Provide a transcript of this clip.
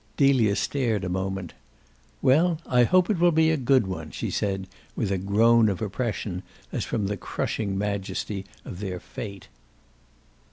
Delia stared a moment. "Well, I hope it will be a good one!" she said with a groan of oppression as from the crushing majesty of their fate.